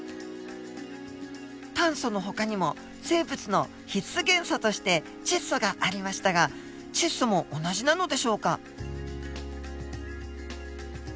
炭素のほかにも生物の必須元素として窒素がありましたが窒素も同じなのでしょうか？